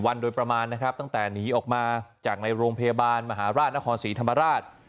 วันโดยประมาณนะครับตั้งแต่หนีออกมาจากในโรงพยาบาลมหาราชนครศรีธรรมราช